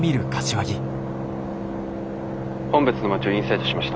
本別の街をインサイトしました。